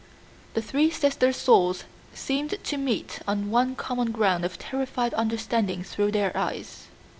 The three sisters' souls seemed to meet on one common ground of terrified understanding through their eyes.